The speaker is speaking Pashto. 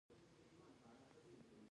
مقرره د قانون تشریح کوونکې ده.